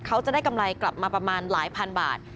เขาจะได้กำไรกลับมาประมาณหลายพันบาท